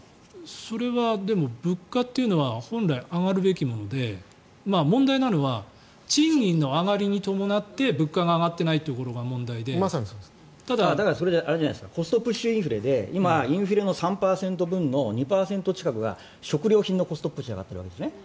それはでも物価というのは本来、上がるべきもので問題なのは賃金の上がりに伴って物価が上がっていないところが問題でそれコストプッシュインフレで今、インフレの３％分の２％近くが食料品のコストプッシュで上がってるんですね。